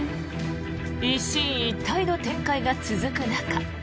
一進一退の展開が続く中。